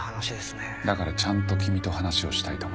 だからちゃんと君と話をしたいと思った。